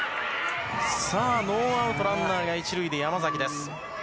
さあ、ノーアウトランナーが１塁で山崎です。